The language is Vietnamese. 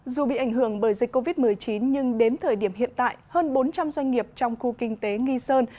dù bị ảnh hưởng bởi dịch covid một mươi chín nhưng đến thời điểm hiện tại hơn bốn trăm linh doanh nghiệp trong khu kinh tế nghi sơn